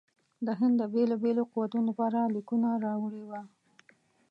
د هند د بېلو بېلو قوتونو لپاره لیکونه راوړي وه.